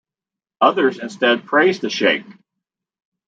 Others instead praise the Sheikh.